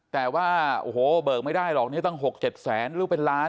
แต่ว่าโอ้โหเบิกไม่ได้หรอกเนี่ยตั้ง๖๗แสนหรือเป็นล้าน